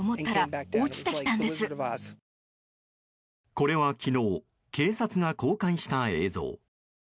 これは、昨日警察が公開した映像。